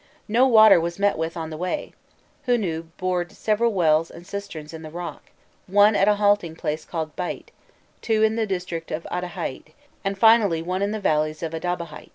No water was met with on the way: Hûnû bored several wells and cisterns in the rock, one at a halting place called Bait, two in the district of Adahaît, and finally one in the valleys of Adabehaît.